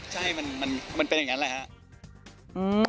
ใช่มันเป็นอย่างนั้นแหละครับ